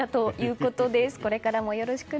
これからもよろしくね。